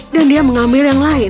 dan dia mengambil yang lain